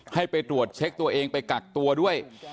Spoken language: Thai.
ให้ไปตรวจเช็คตัวเองไปกักตัวด้วย